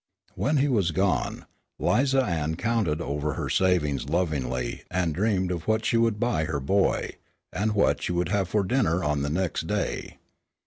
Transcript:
When he was gone, 'Liza Ann counted over her savings lovingly and dreamed of what she would buy her boy, and what she would have for dinner on the next day.